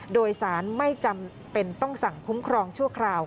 โดยสารไม่จำเป็นต้องสั่งคุ้มครองชั่วคราว